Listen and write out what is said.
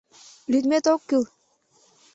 — Лӱдмет ок кӱл!